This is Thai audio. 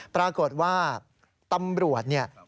ปรากฏว่าตำรวจเนี่ย